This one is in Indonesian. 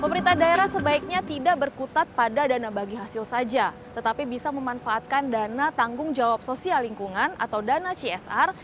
pemerintah daerah sebaiknya tidak berkutat pada dana bagi hasil saja tetapi bisa memanfaatkan dana tanggung jawab sosial lingkungan atau dana csr